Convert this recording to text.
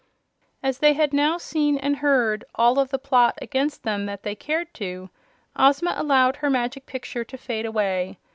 As they had now seen and heard all of the plot against them that they cared to, Ozma allowed her Magic Picture to fade away.